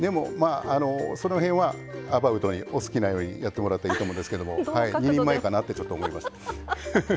その辺はアバウトでお好きなようにやってもらっていいんですけど２人前かなってちょっと思います。